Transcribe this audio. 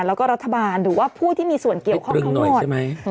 แล้วก็รัฐบาลหรือว่าผู้ที่มีส่วนเกี่ยวข้องทั้งหมด